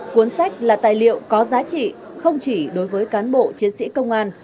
cuốn sách là tài liệu có giá trị không chỉ đối với cán bộ chiến sĩ công an